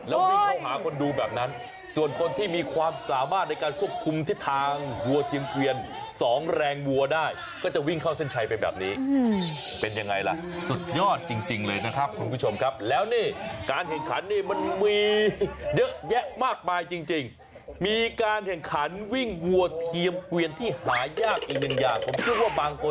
แล้ววิ่งเข้าหาคนดูแบบนั้นส่วนคนที่มีความสามารถในการควบคุมทิศทางวัวเทียมเกวียนสองแรงวัวได้ก็จะวิ่งเข้าเส้นชัยไปแบบนี้เป็นยังไงล่ะสุดยอดจริงเลยนะครับคุณผู้ชมครับแล้วนี่การแข่งขันนี่มันมีเยอะแยะมากมายจริงมีการแข่งขันวิ่งวัวเทียมเกวียนที่หายากอีกหนึ่งอย่างผมเชื่อว่าบางคน